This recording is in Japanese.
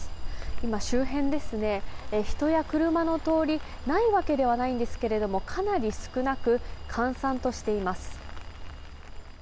今、周辺は人や車の通りないわけではないんですけれどもかなり少なく閑散としています。